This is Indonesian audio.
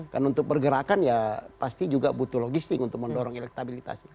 karena untuk bergerakan ya pasti juga butuh logistik untuk mendorong elektabilitas